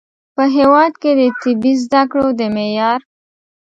په هیواد کې د طبي زده کړو د معیار